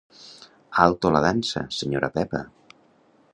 Alto la dansa, senyora Pepa.